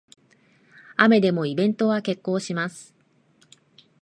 雨でもイベントは決行します